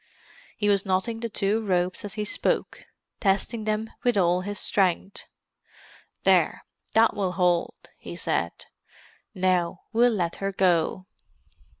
He was knotting the two ropes as he spoke, testing them with all his strength. "There—that will hold," he said. "Now we'll let her go."